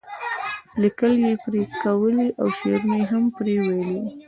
لیکل یې پرې کولی او شعرونه یې هم پرې ویلي وو.